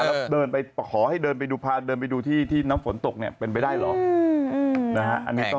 แล้วเดินไปขอให้เดินไปดูพาเดินไปดูที่น้ำฝนตกเนี่ยเป็นไปได้เหรอ